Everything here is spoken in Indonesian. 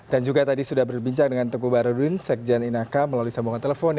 dan juga tadi sudah berbincang dengan tengku barudun sek jan inaka melalui sambungan telepon